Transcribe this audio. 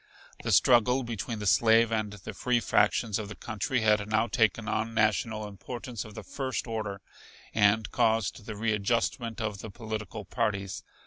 The struggle between the slave and the free factions of the country had now taken on national importance of the first order, and caused the readjustment of the political parties.